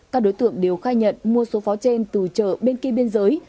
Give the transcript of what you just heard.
các đối tượng đều khai nhận mua số pháo trên từ chợ bên kia biên giới